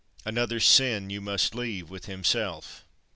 20. Another's sin you must leave with himself.